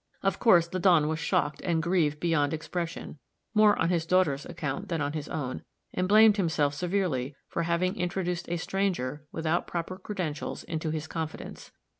Of course the Don was shocked and grieved beyond expression, more on his daughter's account than on his own; and blamed himself severely for having introduced a stranger, without proper credentials, into his confidence.